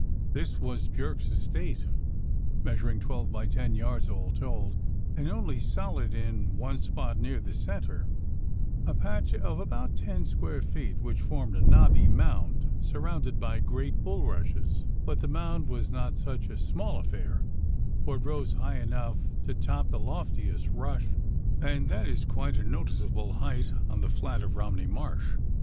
This was Jerk's estate, measuring twelve by ten yards all told, and only solid in one spot near the centre, a patch of about ten square feet which formed a knobby mound surrounded by great bullrushes ; but the mound was not such a small affair, for it rose high enough to top the loftiest rush, and that is quite a noticeable height on the flat of Romney Marsh.